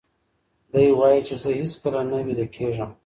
دی وایي چې زه هیڅکله نه ویده کېږم.